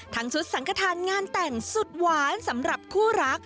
ชุดสังขทานงานแต่งสุดหวานสำหรับคู่รัก